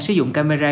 sử dụng camera